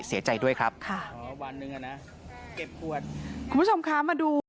เสียใจด้วยครับค่ะค่ะคุณผู้ชมคะมาดู